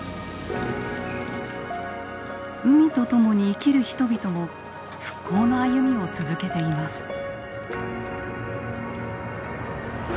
海と共に生きる人々も復興の歩みを続けています。